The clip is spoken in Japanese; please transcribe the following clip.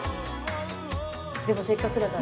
でもせっかくだから。